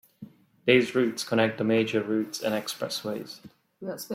These routes connect the major routes, and expressways.